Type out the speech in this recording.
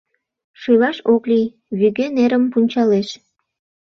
Шӱлаш ок лий, вӱге нерым пунчалеш.